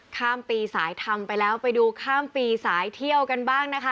ข้ามปีสายธรรมไปแล้วไปดูข้ามปีสายเที่ยวกันบ้างนะคะ